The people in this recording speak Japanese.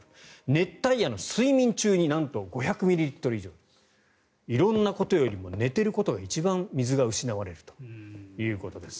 熱帯夜の睡眠中になんと５００ミリリットル以上色んなことよりも寝ていることが一番水が失われるということです。